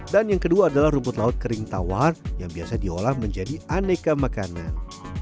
dan yang kedua adalah rumput laut kering tawar yang biasa diolah menjadi aneka makanan